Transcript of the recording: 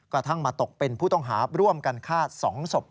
กระทั่งมาตกเป็นผู้ต้องหาร่วมกันฆ่า๒ศพ